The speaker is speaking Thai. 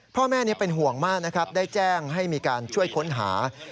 พ่อแม่เป็นห่วงมากนะครับได้แจ้งให้มีการช่วยค้นหา